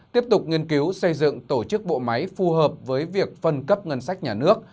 tiếp tục nghiên cứu xây dựng tổ chức bộ máy phù hợp với việc phân cấp ngân sách nhà nước